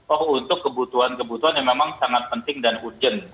oh untuk kebutuhan kebutuhan yang memang sangat penting dan urgent